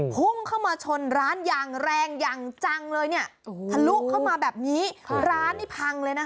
พุ่งเข้ามาชนร้านอย่างแรงอย่างจังเลยเนี่ยทะลุเข้ามาแบบนี้ร้านนี่พังเลยนะคะ